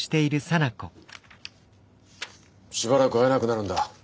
しばらく会えなくなるんだ。